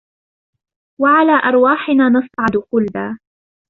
و على أرواحنا نصعد خلدا